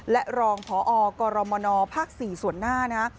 และรองพอกรมนภ๔ส่วนหน้านะฮะ